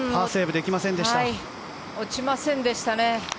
落ちませんでしたね。